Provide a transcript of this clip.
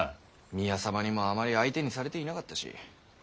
宮様にもあまり相手にされていなかったし。